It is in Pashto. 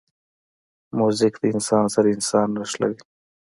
موزیک انسان سره انسان نښلوي.